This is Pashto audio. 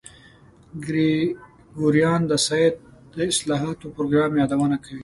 ګریګوریان د سید د اصلاحاتو پروګرام یادونه کوي.